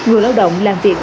người lao động làm việc